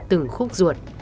từng khúc ruột